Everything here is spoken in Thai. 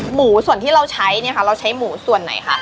ส่วนที่เราใช้เนี่ยค่ะเราใช้หมูส่วนไหนคะ